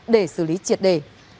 để xử lý triệt đề